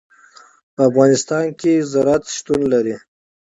په افغانستان کې زراعت شتون لري.